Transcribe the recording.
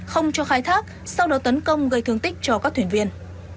không cho khai thác sau đó tấn công gây thương tích cho các thuyền viên